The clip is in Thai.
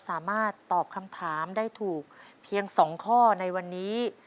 สามารถตอบคำถามได้ถูกเพียง๒ข้อในวันนี้